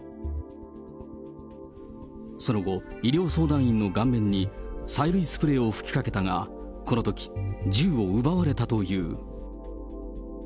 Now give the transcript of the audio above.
その後、医療相談員の顔面に催涙スプレーを吹きかけたが、このとき、銃を奪われたという。